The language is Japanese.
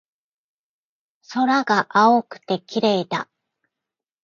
空が青くて綺麗だ